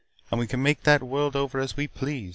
And we can make that world over as we please.